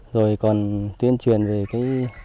rồi còn tuyên truyền về cái